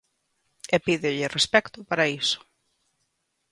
E pídolle respecto para iso.